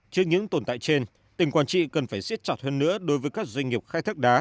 trước những tồn tại trên tỉnh quảng trị cần phải siết chặt hơn nữa đối với các doanh nghiệp khai thác đá